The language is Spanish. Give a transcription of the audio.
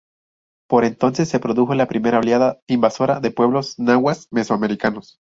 Por entonces se produjo la primera oleada invasora de pueblos nahuas mesoamericanos.